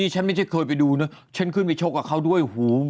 ฉันขึ้นไปชกกับเขาด้วย